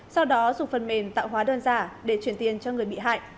sau đó dùng phần mềm tạo hóa đơn giả để chuyển tiền cho người bị hại